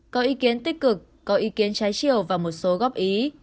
có ý kiến tích cực có ý kiến trái chiều và một số góp ý